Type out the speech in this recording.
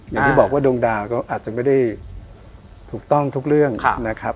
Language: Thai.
อย่างที่บอกว่าดวงดาวก็อาจจะไม่ได้ถูกต้องทุกเรื่องนะครับ